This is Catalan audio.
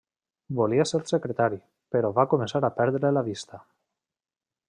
Volia ser secretari, però va començar a perdre la vista.